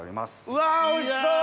うわおいしそう！